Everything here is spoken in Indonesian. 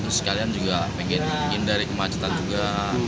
terus sekalian juga pengen hindari kemacetan juga